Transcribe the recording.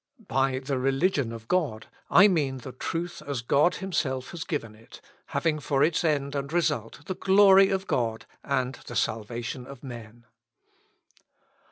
By the religion of God, I mean the truth as God himself has given it, having for its end and result the glory of God and the salvation of men.